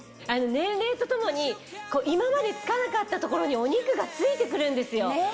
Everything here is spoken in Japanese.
年齢とともに今まで付かなかった所にお肉が付いてくるんですよ。